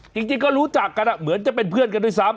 จริงก็รู้จักกันเหมือนจะเป็นเพื่อนกันด้วยซ้ำ